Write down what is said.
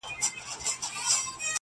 په حيرت حيرت پاچا ځان ته كتله-